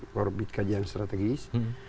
korbit kajian strategis